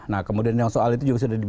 nah kemudian yang soal itu juga sudah dibuat